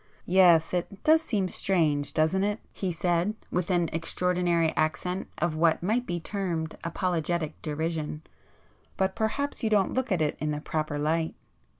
"Yes,—it does seem strange,—doesn't it?"—he said with an extraordinary accent of what might be termed apologetic derision—"But perhaps you don't look at it in the proper light.